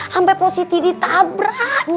sampai positi ditabrak